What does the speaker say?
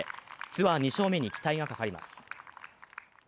ツアー２勝目に期待がかかります。